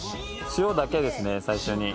塩だけですね、最初に。